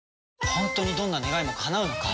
本当にどんな願いもかなうのか？